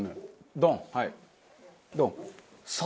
ドン！